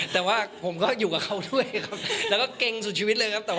แต่ว่าผมก็อยู่กับเขาด้วยครับแล้วก็เก่งสุดชีวิตเลยครับ